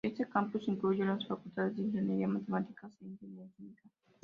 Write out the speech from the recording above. Este campus incluye las Facultades de Ingeniería, Matemáticas e Ingeniería Química.